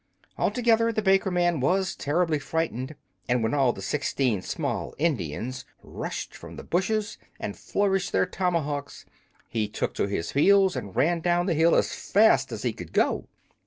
Altogether, the baker man was terribly frightened; and when all the sixteen small Indians rushed from the bushes and flourished their tomahawks, he took to his heels and rand down the hill as fast as he could go!